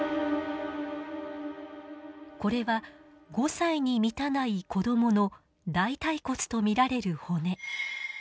これは５歳に満たない子どもの大腿骨と見られる骨。